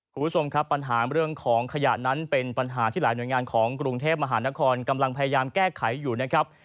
คุณผู้ชมครับปัญหาเรื่องของขยะนั้นเป็นปัญหาที่หลายหน่วยงานของกรุงเทพมหานครกำลังพยายามแก้ไขอยู่นะครับ